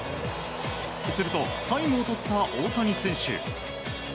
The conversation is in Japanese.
すると、タイムを取った大谷選手。